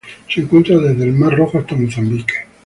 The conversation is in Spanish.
Se encuentran desde el Mar Rojo hasta Mozambique.